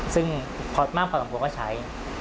ซึ่งมากกว่าฝั่งกงวดจะใช้